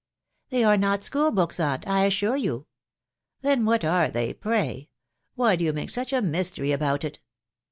" They are not school books, aunt, I assure you/ " Then what are they, pray ? Why do you make such a mystery about it